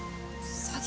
詐欺。